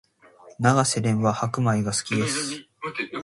永瀬廉は白米が好きです